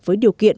với điều kiện